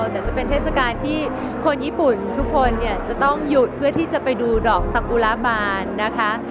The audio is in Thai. แต่จะเป็นเทศกาลที่คนญี่ปุ่นทุกคนเนี่ยจะต้องหยุดเพื่อที่จะไปดูดอกสกุลาบานนะคะ